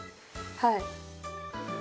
はい。